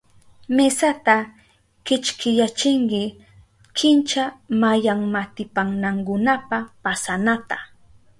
Mesata kichkiyachinki kincha mayanmaatipanankunapa pasanata.